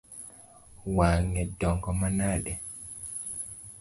Wang’e dongo manade?